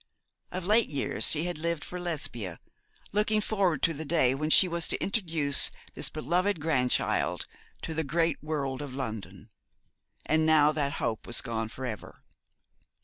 Of late years she had lived for Lesbia, looking forward to the day when she was to introduce this beloved grandchild to the great world of London; and now that hope was gone for ever.